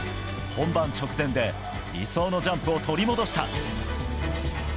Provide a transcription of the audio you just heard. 本番直前で理想のジャンプを取り戻した。